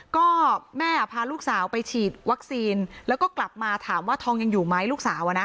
ก็แม่พาลูกสาวไปฉีดวัคซีนแล้วก็กลับมาถามว่าทองยังอยู่ไหมลูกสาวอะนะ